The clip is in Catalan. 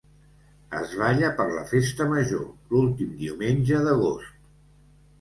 Es balla per la Festa Major, l'últim diumenge d'agost.